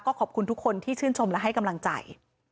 ขอบคุณทุกคนที่ชื่นชมและให้กำลังใจ